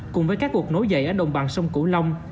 cùng với các cuộc nối dậy ở đồng bằng sông cửu long